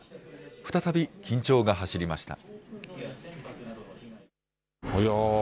再び緊張が走りました。